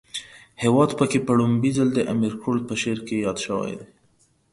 هیواد پکی په ړومبی ځل د امیر کروړ په شعر کې ياد شوی